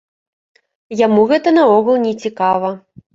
Яму гэта наогул не цікава.